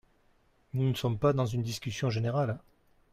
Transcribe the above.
Nous ne sommes pas dans une discussion générale